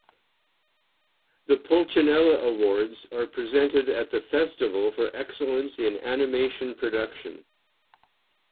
The "Pulcinella Awards" are presented at the festival for excellence in animation production.